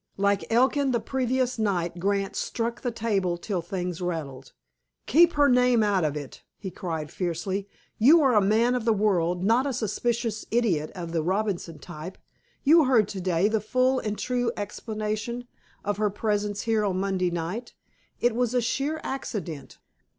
Like Elkin the previous night, Grant struck the table till things rattled. "Keep her name out of it," he cried fiercely. "You are a man of the world, not a suspicious idiot of the Robinson type. You heard to day the full and true explanation of her presence here on Monday night. It was a sheer accident.